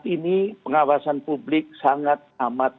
saat ini pengawasan publik sangat amat ketat dan mahal